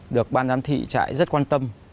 được ban giám thị chạy rất quan tâm